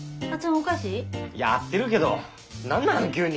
おかしい？いや合ってるけど何なん急に。